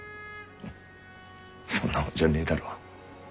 そんなもんじゃねえだろ。